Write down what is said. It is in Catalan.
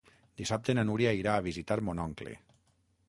Dissabte na Núria irà a visitar mon oncle.